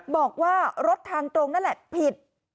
บอกว่ารถทางตรงนั่นแหละผิด